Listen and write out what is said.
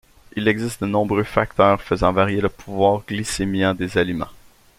Il existe de nombreux facteurs faisant varier le pouvoir glycémiant des aliments.